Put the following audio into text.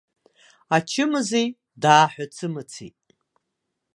Ачымазаҩ дааҳәыцымыцит.